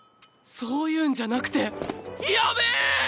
そういうんじゃなくてやべえーっ！！